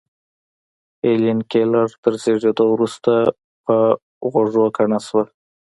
هېلېن کېلر تر زېږېدو وروسته پر غوږو کڼه شوه